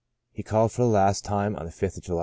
He called for the last time on the 5th of July.